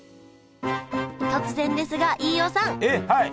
突然ですが飯尾さんえっはい。